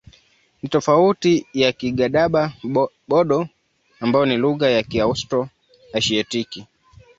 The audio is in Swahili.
Ni tofauti na Kigadaba-Bodo ambayo ni lugha ya Kiaustro-Asiatiki.